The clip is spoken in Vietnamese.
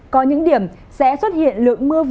có những điểm sẽ xuất hiện lên trong thời tiết